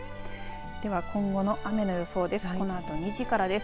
では今後の雨の予想です。